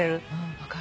分かる？